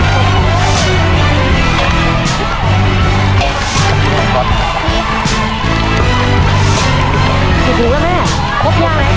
กริกถูกแล้วแม่ฮะครบยาย